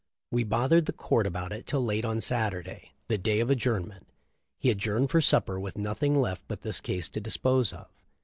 We bothered "the court" about it till late on Saturday, the day of adjourn ment. He adjourned for supper with nothing left but this case to dispose of.